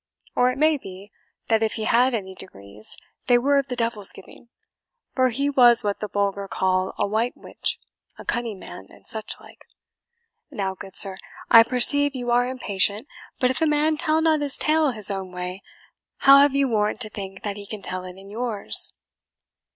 Or it may be, that if he had any degrees, they were of the devil's giving; for he was what the vulgar call a white witch, a cunning man, and such like. Now, good sir, I perceive you are impatient; but if a man tell not his tale his own way, how have you warrant to think that he can tell it in yours?"